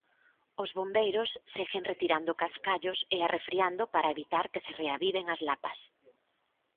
Os bombeiros seguen retirando cascallos e arrefriando para evitar que se reaviven as lapas.